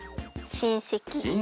しんせき。